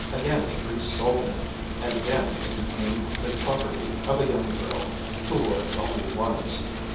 Again the priest sold it; and again it became the property of a young girl, who wore it only once.